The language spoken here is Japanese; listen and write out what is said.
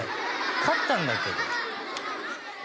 勝ったんだけど。